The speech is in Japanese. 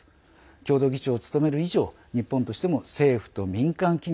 共同議長を務める以上日本としても政府と民間企業